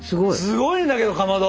すごいんだけどかまど。